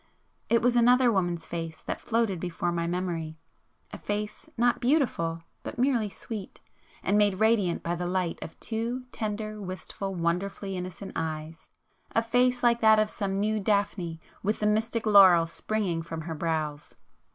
It was another woman's face that floated before my memory;—a face not beautiful,—but merely sweet,—and made radiant by the light of two tender, wistful, wonderfully innocent eyes,—a face like that of some new Daphne with the mystic laurel springing from her brows.